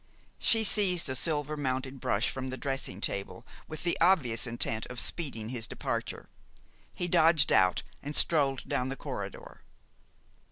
She seized a silver mounted brush from the dressing table with the obvious intent of speeding his departure. He dodged out, and strolled down the corridor.